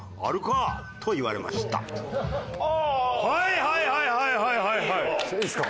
はいはいはいはい！